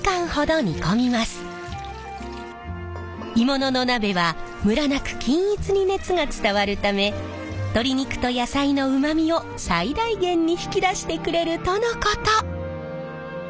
鋳物の鍋はムラなく均一に熱が伝わるため鶏肉と野菜のうまみを最大限に引き出してくれるとのこと。